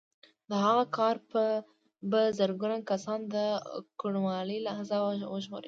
د هغه کار به زرګونه کسان د کوڼوالي له عذابه وژغوري